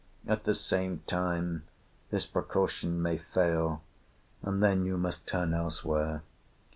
At the same time, this precaution may fail, and then you must turn elsewhere.